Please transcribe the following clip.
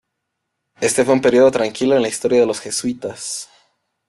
Este fue un período tranquilo en la historia de los jesuitas.